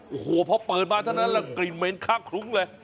โอ้โหพอเปิดมาเท่านั้นแหละกลิ่นเหม็นค่าคลุ้งเลย